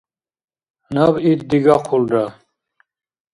Наб ит дигахъулра.